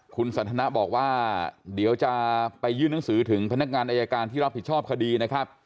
คุณสันทนาบอกว่าเดี๋ยวจะไปยื่นหนังสือถึงพนักงานอายการที่รับผิดชอบคดีนะครับ